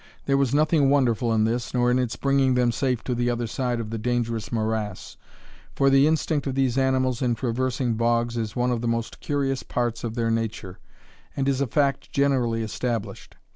There was nothing wonderful in this, nor in its bringing them safe to the other side of the dangerous morass; for the instinct of these animals in traversing bogs is one of the most curious parts of their nature, and is a fact generally established.